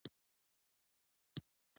د ولایت موټرانو ته پورته شولو.